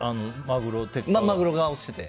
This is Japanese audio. マグロが落ちてて。